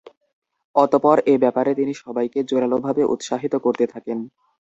অতঃপর এ ব্যাপারে তিনি সবাইকে জোরালোভাবে উৎসাহিত করতে থাকেন।